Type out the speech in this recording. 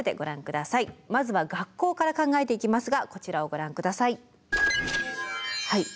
まずは学校から考えていきますがこちらをご覧下さい。